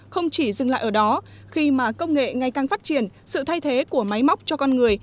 không chỉ dừng lại ở đó khi mà công nghệ ngày càng phát triển sự thay thế của máy móc cho con người